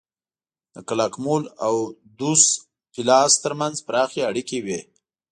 د کلاکمول او دوس پیلاس ترمنځ پراخې اړیکې وې